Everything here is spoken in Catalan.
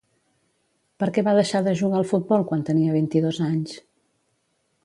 Per què va deixar de jugar al futbol quant tenia vint-i-dos anys?